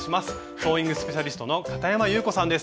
ソーイングスペシャリストのかたやまゆうこさんです。